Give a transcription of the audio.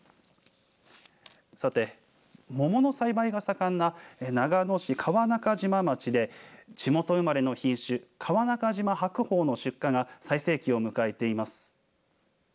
さて桃の栽培が盛んな長野市川中島町で地元生まれの品種川中島白鳳の出荷が最盛期を迎えています。